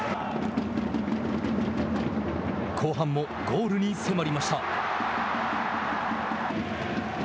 後半もゴールに迫りました。